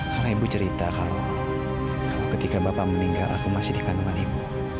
karena ibu cerita kalau ketika bapak meninggal aku masih di kandungan ibu